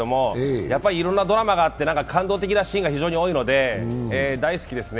やっぱりいろんなドラマがあって感動的なシーンが非常に多いので大好きですね。